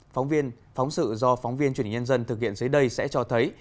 phóng viên phóng sự do phóng viên chuyển nhân dân thực hiện dưới đây sẽ cho thấy